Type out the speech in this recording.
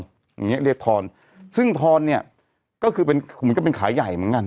อย่างเงี้เรียกทอนซึ่งทอนเนี่ยก็คือเป็นเหมือนกับเป็นขาใหญ่เหมือนกัน